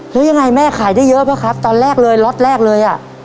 แล้วยังไงแม่ขายได้เยอะป่ะครับตอนแรกเลยล็อตแรกเลยอ่ะ